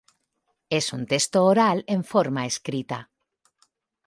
Es un texto oral en forma escrita.